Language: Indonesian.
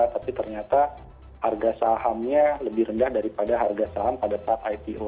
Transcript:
tapi ternyata harga sahamnya lebih rendah daripada harga saham pada saat ipo